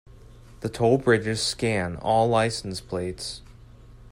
The toll bridges scan all license plates.